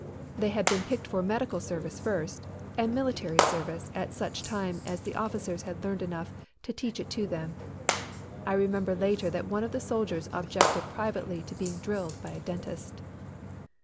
They had been picked for medical service first and military service at such time as the officers had learned enough to teach it to them. I remember later that one of the soldiers objected privately to being drilled by a dentist.